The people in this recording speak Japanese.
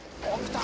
あっ！